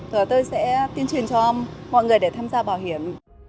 rồi tôi sẽ tuyên truyền cho mọi người để tham gia bảo hiểm